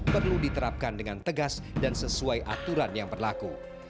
perlu diterapkan dengan tegas dan sesuai aturan yang berlaku